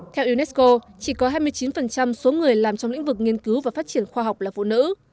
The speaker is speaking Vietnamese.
theo unesco chỉ có hai mươi chín số người làm trong lĩnh vực nghiên cứu và phát triển khoa học là phụ nữ